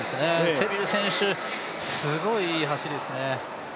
セビル選手、すごいいい走りですね